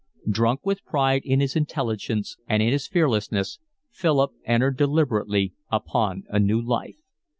Drunk with pride in his intelligence and in his fearlessness, Philip entered deliberately upon a new life.